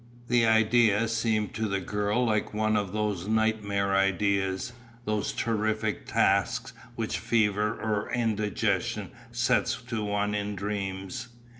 The idea seemed to the girl like one of those nightmare ideas, those terrific tasks which fever or indigestion sets to one in dreams.